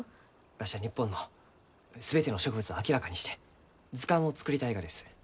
わしは日本の全ての植物を明らかにして図鑑を作りたいがです。